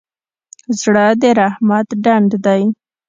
زړه د رحمت ډنډ دی.